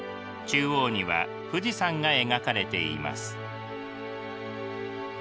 中央には富士山が描かれています。